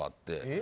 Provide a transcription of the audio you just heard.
え？